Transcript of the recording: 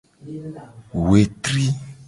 Wetri.